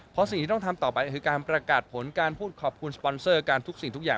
เพราะสิ่งที่ต้องทำต่อไปคือการประกาศผลการพูดขอบคุณสปอนเซอร์กันทุกสิ่งทุกอย่าง